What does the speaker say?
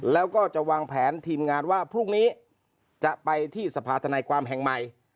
แล้วก็จะวางแผนทีมงานว่าพรุ่งนี้จะไปที่สภาธนายความแห่งใหม่